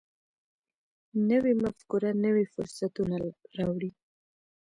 نوې مفکوره نوي فرصتونه راوړي